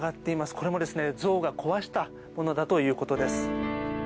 これもゾウが壊したものだということです。